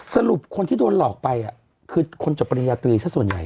สรุปคนที่โดนหลอกไปคือคนจบปริญญาตรีซะส่วนใหญ่